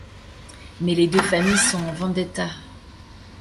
Mais les deux familles sont en vendetta.